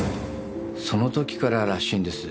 その時かららしいんです。